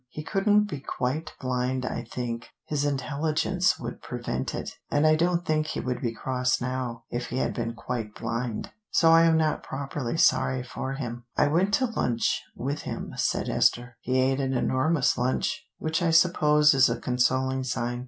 He couldn't be quite blind I think: his intelligence would prevent it. And I don't think he would be cross now, if he had been quite blind. So I am not properly sorry for him." "I went to lunch with him," said Esther. "He ate an enormous lunch, which I suppose is a consoling sign.